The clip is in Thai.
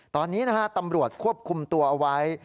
ตอนนี้นะฮะตำรวจควบคุมตัวเอาไว้